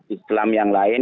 islam yang lain